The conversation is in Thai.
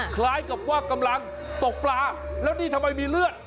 คล้ายกับว่ากำลังตกปลาแล้วนี่ทำไมมีเลือด